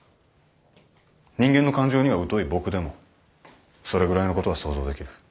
人間の感情には疎い僕でもそれぐらいのことは想像できる。